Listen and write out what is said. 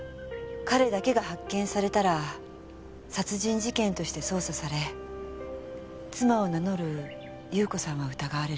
彼だけが発見されたら殺人事件として捜査され妻を名乗る優子さんは疑われる。